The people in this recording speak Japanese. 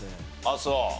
ああそう。